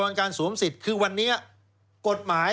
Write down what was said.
เพราะฉะนั้นคุณมิ้นท์พูดเนี่ยตรงเป้งเลย